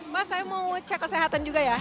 mas saya mau cek kesehatan juga ya